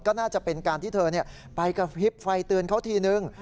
ก็น่าจะเป็นการที่เธอไปกระพริบไฟเตือนเขาทีนึง